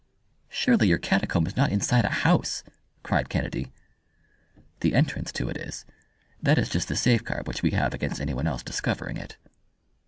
"Surely your catacomb is not inside a house!" cried Kennedy. "The entrance to it is. That is just the safeguard which we have against anyone else discovering it."